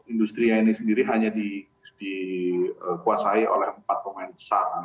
industri ini sendiri hanya dikuasai oleh empat pemain besar